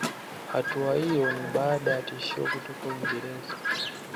Hatua iyo ni baada ya tishio kutoka Uingereza